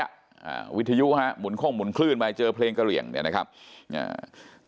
อ่าวิทยุฮะหมุนข้งหมุนคลื่นไปเจอเพลงกระเหลี่ยงเนี้ยนะครับอ่า